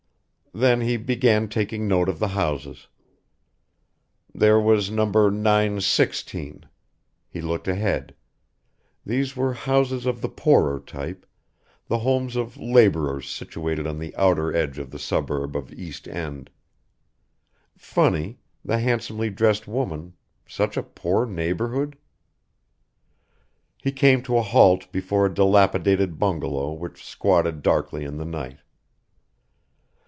Then he began taking note of the houses. There was No. 916. He looked ahead. These were houses of the poorer type, the homes of laborers situated on the outer edge of the suburb of East End. Funny the handsomely dressed woman such a poor neighborhood He came to a halt before a dilapidated bungalow which squatted darkly in the night.